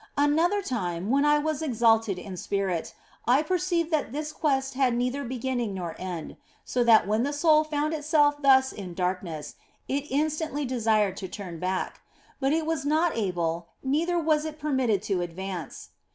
Another time, when I was exalted in spirit, I per ceived that this quest had neither beginning nor end, so that when the soul found itself thus in darkness it in stantly desired to turn back ; but it was not able, neither was it permitted to advance.